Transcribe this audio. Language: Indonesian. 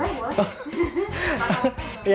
disebut nggak sih tagihannya